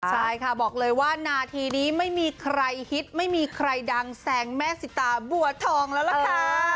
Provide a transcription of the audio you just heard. ใช่ค่ะบอกเลยว่านาทีนี้ไม่มีใครฮิตไม่มีใครดังแซงแม่สิตาบัวทองแล้วล่ะค่ะ